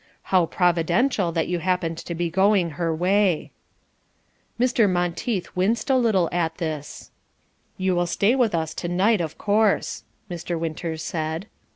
How providential that you happened to be going her way." Mr. Monteith winced a little at this. "You will stay with us to night, of course," Mr. Winters said.